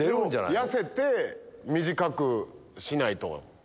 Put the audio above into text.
痩せて短くしないと。